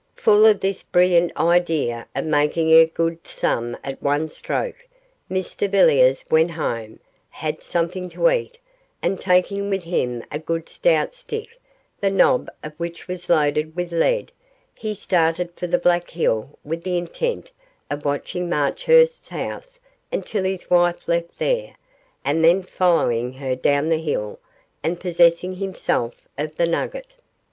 Full of this brilliant idea of making a good sum at one stroke, Mr Villiers went home, had something to eat, and taking with him a good stout stick, the nob of which was loaded with lead, he started for the Black Hill with the intent of watching Marchurst's house until his wife left there, and then following her down the hill and possessing himself of the nugget.